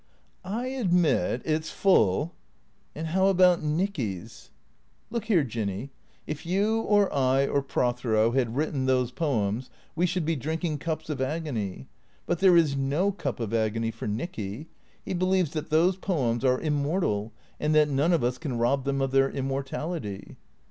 " I admit it 's full." " And how about Nicky's ?"" Look here, Jinny. If you or I or Prothero had written those poems we should be drinking cups of agony. But there is no cup of agony for Nicky. He believes that those poems are im mortal, and that none of us can rob them of their immortality."